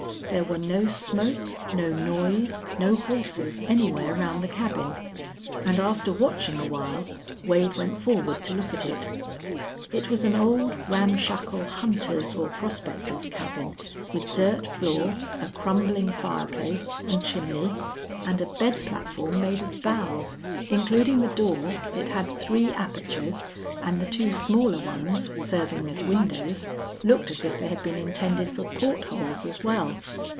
There were no smoke, no noise, no horses anywhere round the cabin, and after watching awhile Wade went forward to look at it. It was an old ramshackle hunter's or prospector's cabin, with dirt floor, a crumbling fireplace and chimney, and a bed platform made of boughs. Including the door, it had three apertures, and the two smaller ones, serving as windows, looked as if they had been intended for port holes as well.